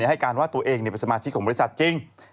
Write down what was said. ให้การว่าตัวเองเป็นสมาชิกของบริษัทจริง